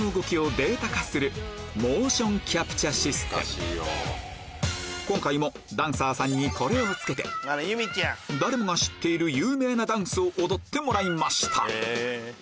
こちらは今回もダンサーさんにこれを着けて誰もが知っている有名なダンスを踊ってもらいました